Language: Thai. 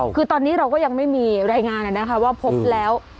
คือตอนนี้เราก็ยังไม่มีรายงานนะคะว่าพบแล้ว